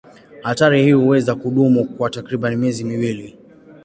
Hatari hii huweza kudumu kwa takriban miezi miwili.